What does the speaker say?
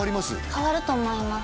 変わると思います